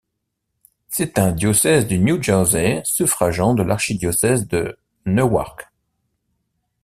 C'est un diocèse du New Jersey, suffragant de l'archidiocèse de Newark.